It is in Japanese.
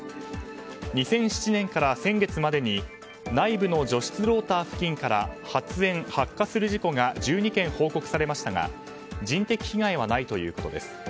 ２００７年から先月までに内部の除湿ローター付近から発煙・発火する事故が１２件報告されましたが人的被害はないということです。